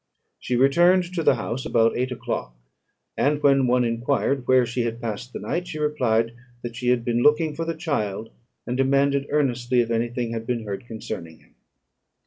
She returned to the house about eight o'clock; and, when one enquired where she had passed the night, she replied that she had been looking for the child, and demanded earnestly if any thing had been heard concerning him.